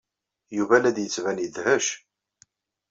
Yuba la d-yettban yedhec.